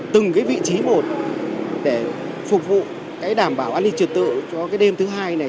từng cái vị trí một để phục vụ cái đảm bảo an ninh trật tự cho cái đêm thứ hai này